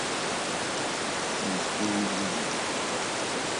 Поисковой движок